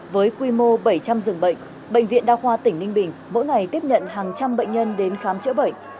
với quy mô bảy trăm linh dường bệnh bệnh viện đa khoa tỉnh ninh bình mỗi ngày tiếp nhận hàng trăm bệnh nhân đến khám chữa bệnh